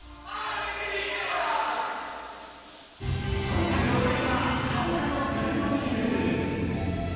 今回のお題はカボチャのプルコギ風。